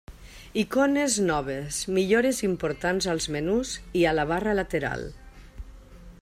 Icones noves, millores importants als menús i a la barra lateral.